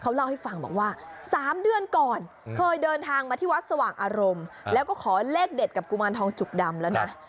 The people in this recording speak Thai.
เล่าให้ฟังบอกว่า๓เดือนก่อนเคยเดินทางมาที่วัดสว่างอารมณ์แล้วก็ขอเลขเด็ดกับกุมารทองจุกดำแล้วนะ